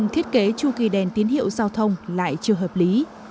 thế chu kỳ đèn tín hiệu giao thông lại chưa hợp lý